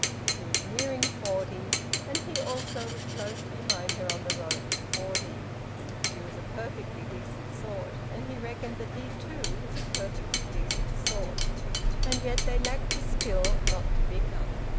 She was nearing forty, and he also was close behind her on the road to forty; she was a perfectly decent sort, and he reckoned that he, too, was a perfectly decent sort, and yet they lacked the skill not to bicker.